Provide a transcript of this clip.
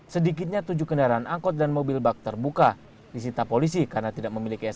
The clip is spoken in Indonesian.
sedikitnya tujuh kendaraan angkot dan mobil bak terbuka disita polisi karena tidak memiliki